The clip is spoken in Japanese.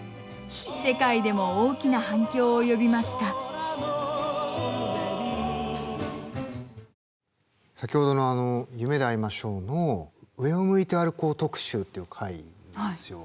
世界でも大きな反響を呼びました先ほどの「夢であいましょう」の「上を向いて歩こう」特集っていう回なんですよ。